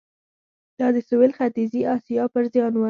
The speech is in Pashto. دا د سوېل ختیځې اسیا پر زیان و.